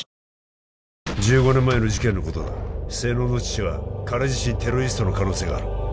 １５年前の事件のことだ瀬能の父は彼自身テロリストの可能性がある